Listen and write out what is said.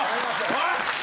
おい！